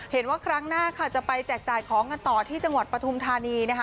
เห็นว่าครั้งหน้าค่ะจะไปแจกจ่ายของกันต่อที่จังหวัดปฐุมธานีนะคะ